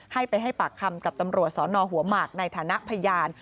ให้ไปให้ปากคำกับตำรวจสนหัวหมากในฐานะพยาน